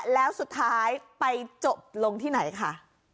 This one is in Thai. แล้วสุดท้ายไปจบลงที่ไหนค่ะ